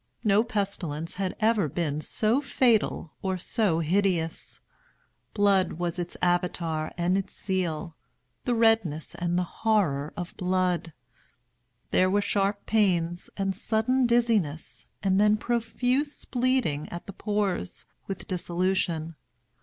No pestilence had ever been so fatal, or so hideous. Blood was its Avatar and its seal—the redness and the horror of blood. There were sharp pains, and sudden dizziness, and then profuse bleeding at the pores, with dissolution.